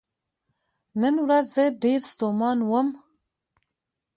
نن ورځ زه ډیر ستومان وم .